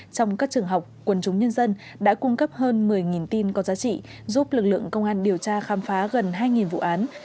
trong các trường học quần chúng nhân dân đã cung cấp hơn một mươi tin có giá trị giúp lực lượng công an điều tra khám phá gần hai vụ án